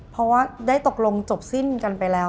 เพราะว่าได้ตกลงจบสิ้นกันไปแล้ว